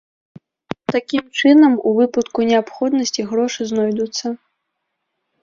Такім чынам, у выпадку неабходнасці, грошы знойдуцца.